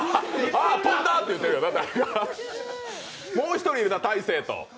あ、飛んだって言うてるよなもう１人いるな、大晴と。